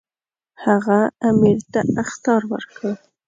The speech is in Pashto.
هغه امیر ته اخطار ورکړ.